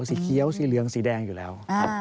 สีเขียวสีเหลืองสีแดงอยู่แล้วครับ